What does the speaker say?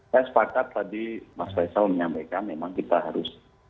saya sepakat tadi mas faisal menyampaikan memang kita harus